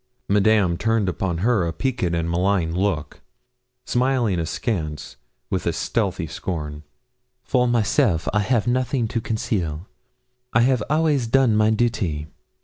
Madame turned upon her a peaked and malign look, smiling askance with a stealthy scorn. 'For myself, I have nothing to conceal. I have always done my duty.